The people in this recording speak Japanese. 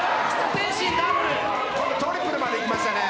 トリプルまでいきましたね。